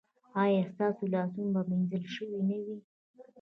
ایا ستاسو لاسونه به مینځل شوي نه وي؟